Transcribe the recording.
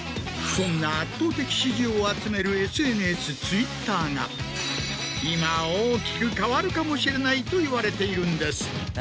そんな圧倒的支持を集めるＳＮＳＴｗｉｔｔｅｒが今大きく変わるかもしれないといわれているんです。